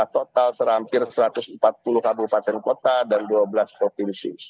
total serampir satu ratus empat puluh kabupaten kota dan dua belas provinsi